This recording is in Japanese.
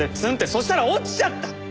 そしたら落ちちゃった！